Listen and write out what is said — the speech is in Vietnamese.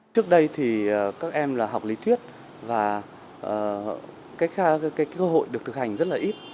trước đây thì các em là học lý thuyết và cơ hội được thực hành rất là ít